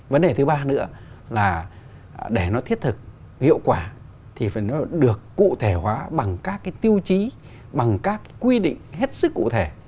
vấn đề thứ ba nữa là để nó thiết thực hiệu quả thì phải được cụ thể hóa bằng các cái tiêu chí bằng các quy định hết sức cụ thể